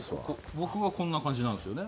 僕はこんな感じなんですよね。